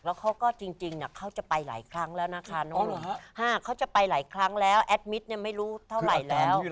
แล้วเขาก็จริงนะเขาจะไปหลายครั้งแล้วนะคะ